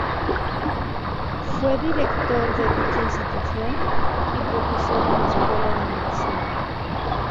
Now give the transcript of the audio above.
Fue director de dicha institución y profesor en la Escuela de Medicina.